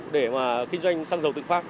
để mà kinh doanh xăng dầu tự phát